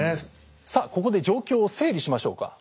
さあここで状況を整理しましょうか。